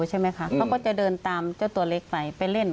ใช่ไหมคะเขาก็จะเดินตามเจ้าตัวเล็กไปไปเล่น